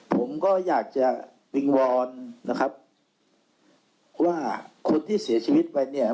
ผมก็อยากจะวิงวอนนะครับว่าคนที่เสียชีวิตไปเนี่ย